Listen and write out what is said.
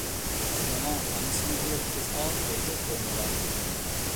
شۇڭا، «ئانىسىنى كۆرۈپ قىز ئال» دەيدۇ كونىلار.